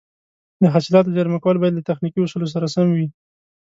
د حاصلاتو زېرمه کول باید له تخنیکي اصولو سره سم وي.